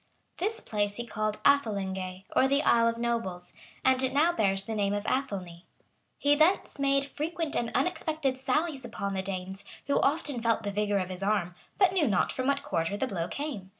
This place he called Æthelingay, or the Isle of Nobles;[] and it now bears the name of Athelney. He thence made frequent and unexpected sallies upon the Danes, who often felt the vigor of his arm, but knew not from what quarter the blow came.